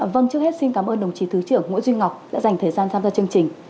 vâng trước hết xin cảm ơn đồng chí thứ trưởng nguyễn duy ngọc đã dành thời gian tham gia chương trình